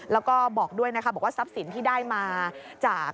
แล้วก็บอกด้วยนะคะบอกว่าทรัพย์สินที่ได้มาจาก